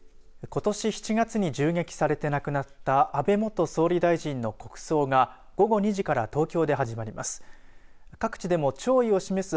ことし７月に銃撃されて亡くなった安倍元総理大臣の国葬が午後２時から東京で始まります。